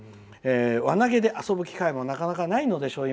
輪投げで遊ぶ機会もなかなかないのでしょう